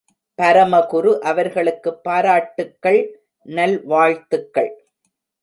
பரமகுரு அவர்களுக்குப் பாராட்டுக்கள், நல்வாழ்த்துக்கள்.